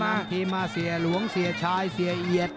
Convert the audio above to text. ทีมาเสียหลวงเสียชายเสียเอียด